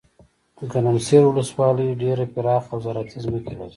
ګرمسیرولسوالۍ ډیره پراخه اوزراعتي ځمکي لري.